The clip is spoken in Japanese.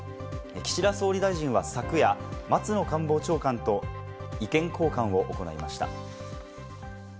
岸田総理大臣は昨夜、松野官房長官と意見交換を行いました。